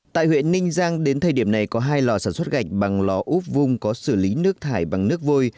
tại huyện ninh giang đến thời điểm này có hai lò sản xuất gạch bằng lò úp vung có xử lý nước thải bằng nước vôi